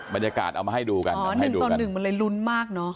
บรรยากาศเอามาให้ดูกันอ๋อ๑ต่อ๑มันเลยลุ้นมากเนอะ